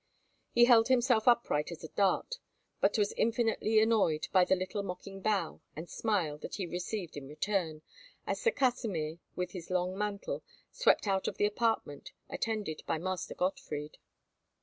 He held himself upright as a dart, but was infinitely annoyed by the little mocking bow and smile that he received in return, as Sir Kasimir, with his long mantle, swept out of the apartment, attended by Master Gottfried.